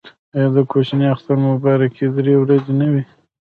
آیا د کوچني اختر مبارکي درې ورځې نه وي؟